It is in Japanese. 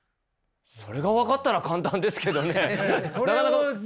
それが分かったら簡単ですけどね。